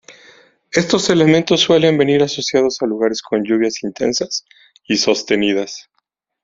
Estos elementos suelen venir asociados a lugares con lluvias intensas y sostenidas.